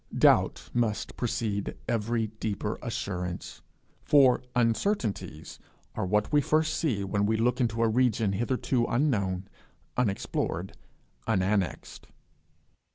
Doubt must precede every deeper assurance; for uncertainties are what we first see when we look into a region hitherto unknown, unexplored, unannexed.